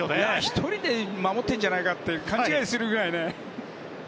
１人で守ってるんじゃないかと勘違いするぐらいね。